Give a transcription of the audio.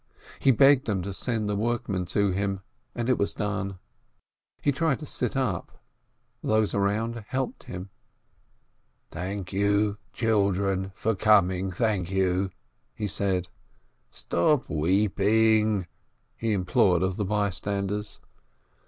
He begged them to send the workmen to him, and it was done. He tried to sit up; those around helped him. "Thank you — chilldren — for coming — thank you !" he said. "Stop — weeping !" he implored of the bystanders.